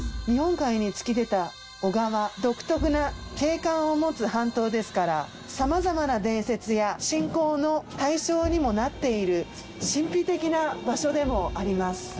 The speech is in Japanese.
日本海に突き出た男鹿は独特な景観を持つ半島ですから様々な伝説や信仰の対象にもなっている神秘的な場所でもあります。